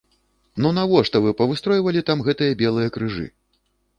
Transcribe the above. Ну навошта вы павыстройвалі там гэтыя белыя крыжы?